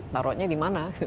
taruhnya di mana